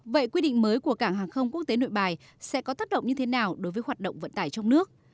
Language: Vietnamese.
vậy quy định mới của cảng hàng không quốc tế nội bài sẽ có tác động như thế nào đối với hoạt động vận tải trong nước